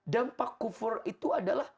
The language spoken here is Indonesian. dampak kufur itu adalah